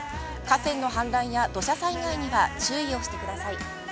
河川の氾濫や土砂災害には注意をしてください。